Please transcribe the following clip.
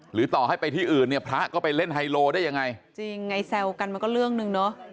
ต่อให้ไปที่อื่นเนี่ยพระก็ไปเล่นไฮโลได้ยังไงจริงไงแซวกันมันก็เรื่องหนึ่งเนอะ